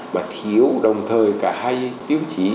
mà thiếu đồng thời cả hai tiêu chí